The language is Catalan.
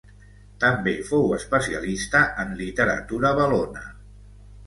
També fou especialista en literatura valona.